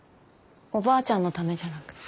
おばあちゃんのためじゃなく。